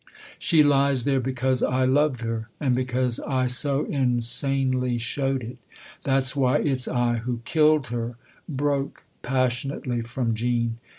" She lies there because I loved her and because I so insanely showed it. That's why it's I who killed her !" broke passionately from Jean.